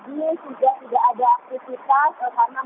ini dialihkan ke stasiun poncol